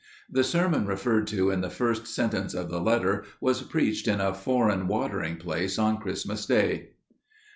The sermon referred to in the first sentence of the letter was preached in a foreign watering place on Christmas Day.